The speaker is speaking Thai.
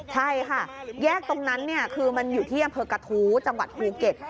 ใช่ค่ะแยกตรงนั้นคือมันอยู่ที่อำเภอกระทู้จังหวัดภูเก็ต